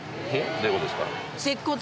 どういうことですか？